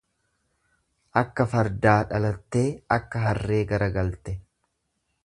Akka fardaa dhalattee akka harree garagalte.